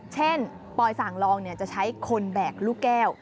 ปอยสั่งลองจะใช้คนแบกลูกแก้ว